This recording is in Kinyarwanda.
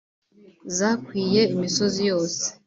Zakwiye imisozi yose